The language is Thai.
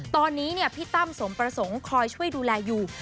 ตอนนี้พี่ตั้มสมประสงค์คอยช่วยดูแลอยู่